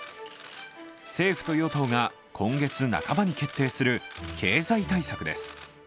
政府と与党が今月半ばに決定する経済対策です。